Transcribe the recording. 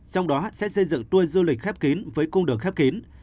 trong đó sẽ xây dựng tour du lịch khép kín với cung đường khép kín